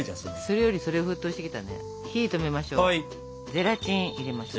ゼラチン入れましょう。